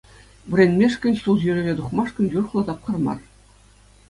Вӗренмешкӗн, ҫул ҫӳреве тухмашкӑн юрӑхлӑ тапхӑр мар.